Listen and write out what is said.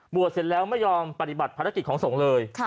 เสร็จแล้วไม่ยอมปฏิบัติภารกิจของสงฆ์เลย